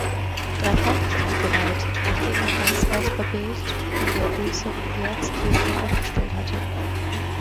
Dreifaltigkeit" geweiht, nachdem man das Vesperbild in der größeren Georgskirche aufgestellt hatte.